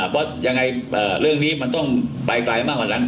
เพราะยังไงเรื่องนี้มันต้องไปไกลมากกว่านั้น